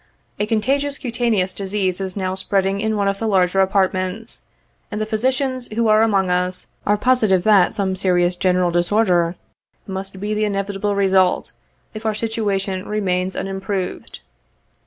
A contagious cutaneous disease is now spreading in one of the larger apartments, and the physicians who are among us, are positive that some serious general disorder must be the inevitable result, if our situation remains unimproved.